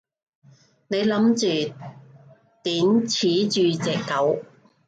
你諗住點處置隻狗？